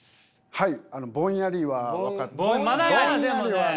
はい。